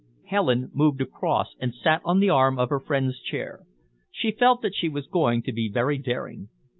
Helen moved across and sat on the arm of her friend's chair. She felt that she was going to be very daring.